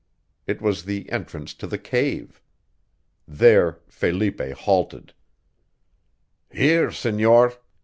It was the entrance to the cave. There Felipe halted. "Here, senor.